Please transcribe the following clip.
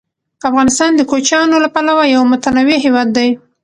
افغانستان د کوچیانو له پلوه یو متنوع هېواد دی.